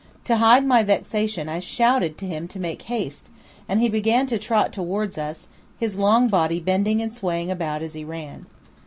To hide my vexation I shouted to him to make haste, and he began to trot towards us, his long body bending and swaying about as he ran.